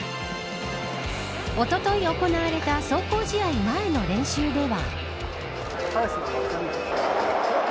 おととい行われた壮行試合前の練習では。